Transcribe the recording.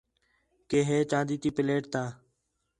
کہ ہے چاندی تی پلیٹ تا